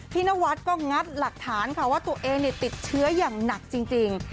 นวัดก็งัดหลักฐานค่ะว่าตัวเองติดเชื้ออย่างหนักจริง